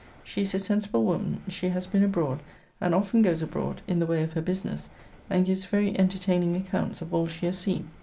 She is a sensible woman; she has been abroad, and often goes abroad in the way of her business, and gives very entertaining accounts of all she has seen.